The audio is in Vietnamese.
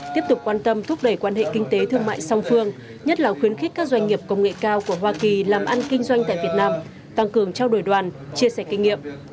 tiếp tục quan tâm thúc đẩy quan hệ kinh tế thương mại song phương nhất là khuyến khích các doanh nghiệp công nghệ cao của hoa kỳ làm ăn kinh doanh tại việt nam tăng cường trao đổi đoàn chia sẻ kinh nghiệm